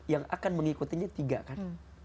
yang akan mengikutinya tiga kan